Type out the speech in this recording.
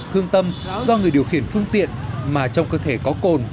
thương tâm do người điều khiển phương tiện mà trong cơ thể có cồn